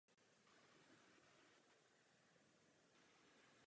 V této povídce Isaac Asimov poprvé popsal tři zákony robotiky.